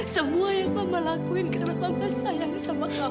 semua yang mama lakuin karena mama sayang sama kamu